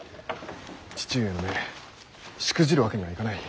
父上の命しくじるわけにはいかない。